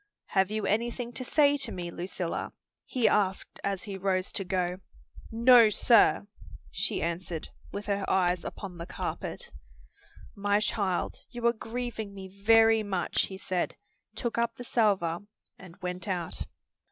"Have you anything to say to me, Lucilla?" he asked as he rose to go. "No, sir," she answered, with her eyes upon the carpet. "My child, you are grieving me very much," he said, took up the salver and went out.